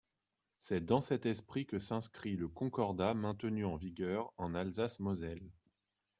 C’est dans cet esprit que s’inscrit le Concordat maintenu en vigueur en Alsace-Moselle.